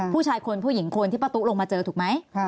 ผู้ชายคนผู้หญิงคนที่ป้าตุ๊กลงมาเจอถูกไหม